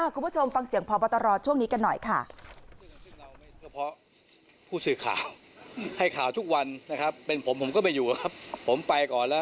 คุณผู้ชมฟังเสียงพบตรช่วงนี้กันหน่อยค่ะ